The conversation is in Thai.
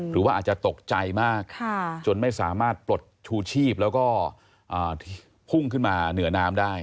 หรือว่าอาจจะตกใจมากจนไม่สามารถปลดชูชีพแล้วก็พุ่งขึ้นมาเหนือน้ำได้